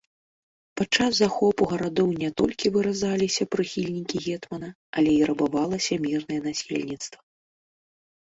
Падчас захопу гарадоў не толькі выразаліся прыхільнікі гетмана, але і рабавалася мірнае насельніцтва.